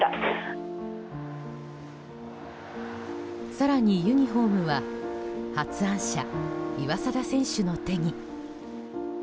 更に、ユニホームは発案者・岩貞選手の手に。